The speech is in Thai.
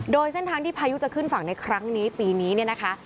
โดยเส้นทางที่พายุจะขึ้นฝั่งในครั้งนี้ปีนี้เนี่ยนะคะ